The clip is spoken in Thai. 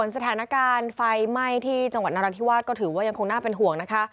สถานการณ์ไฟไหม้ที่จังหวัดนราธิวาสก็ถือว่ายังคงน่าเป็นห่วงนะคะ